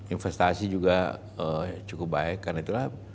investasi juga cukup baik karena itulah